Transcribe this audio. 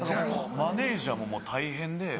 マネジャーももう大変で。